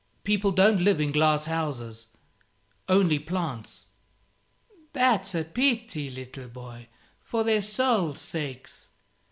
People don't live in glass houses; only plants." "That's a pity, little boy, for their souls' sakes.